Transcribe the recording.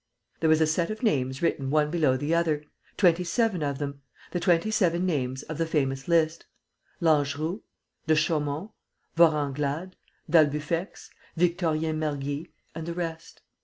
There was a set of names written one below the other, twenty seven of them, the twenty seven names of the famous list: Langeroux, Dechaumont, Vorenglade, d'Albufex, Victorien Mergy and the rest.